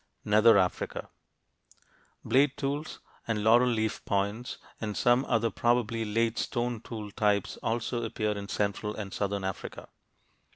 NETHER AFRICA Blade tools and "laurel leaf" points and some other probably late stone tool types also appear in central and southern Africa.